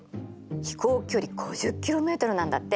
飛行距離５０ｋｍなんだって。